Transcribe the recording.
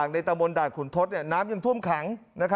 ตะบนด่านขุนทศน้ำยังท่วมขัง